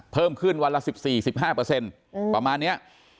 เพิ่มขึ้นวันละ๑๔๑๕เปอร์เซ็นต์ประมาณนี้